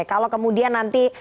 kalau kemudian nanti